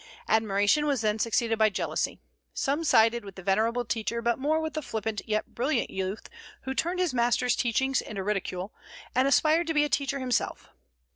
Admiration was then succeeded by jealousy. Some sided with the venerable teacher, but more with the flippant yet brilliant youth who turned his master's teachings into ridicule, and aspired to be a teacher himself.